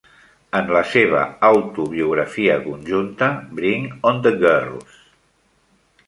En la seva autobiografia conjunta Bring on the Girls!